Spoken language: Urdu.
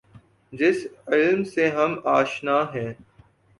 جس علم سے ہم آشنا ہیں۔